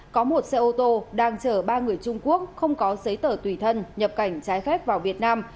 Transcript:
có một xe ô tô đang chở ba người trung quốc không có giấy tờ tùy thân nhập cảnh trái phép vào việt nam